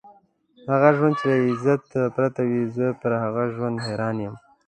هغه ژوند چې له عزت پرته وي، زه پر هغه ژوند حیران یم.